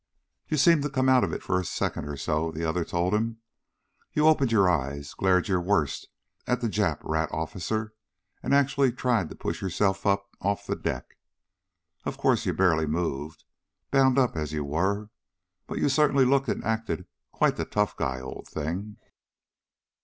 "You seemed to come out of it for a second or so," the other told him. "You opened your eyes, glared your worst at the Jap rat officer, and actually tried to push yourself up off the deck. Of course you barely moved, bound up as you were. But you certainly looked and acted quite the tough guy, old thing."